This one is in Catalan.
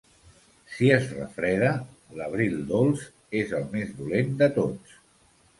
Si es refreda, l'abril dolç és el més dolent de tots.